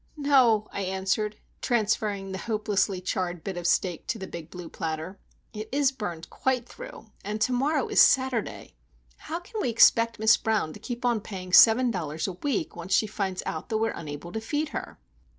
"No," I answered, transferring the hopelessly charred bit of steak to the big blue platter. "It is burned quite through,—and to morrow is Saturday. How can we expect Miss Brown to keep on paying seven dollars a week,—once she finds out that we are unable to feed her?"